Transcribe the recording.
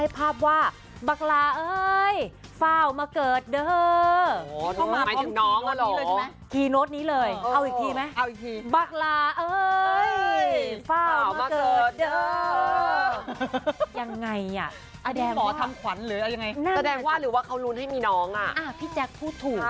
พี่แจ๊คพูดถูก